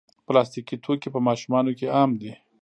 پلاستيکي توکي په ماشومانو کې عام دي.